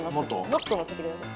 もっと載せてください。